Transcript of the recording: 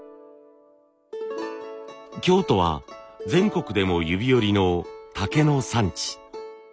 京都は全国でも指折りの竹の産地。